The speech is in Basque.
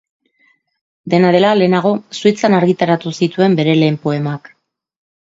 Dena dela, lehenago, Suitzan argitaratu zituen bere lehen poemak.